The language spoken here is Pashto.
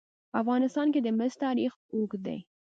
په افغانستان کې د مس تاریخ اوږد دی.